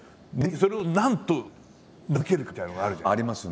それを何と名付けるかみたいなのがあるじゃないですか。